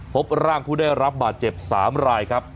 พบร่างผู้ได้รับบาดเจ็บ๓รายครับ